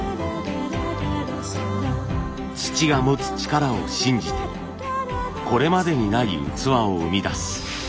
土が持つ力を信じてこれまでにない器を生み出す。